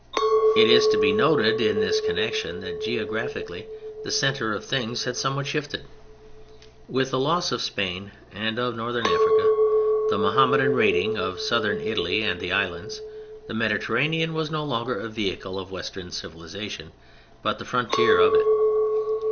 It is to be noted in this connection that geographically the centre of things had somewhat shifted. With the loss of Spain and of Northern Africa, the Mohammedan raiding of Southern Italy and the islands, the Mediterranean was no longer a vehicle of Western civilization, but the frontier of it.